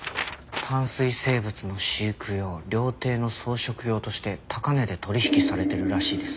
淡水生物の飼育用料亭の装飾用として高値で取引されてるらしいです。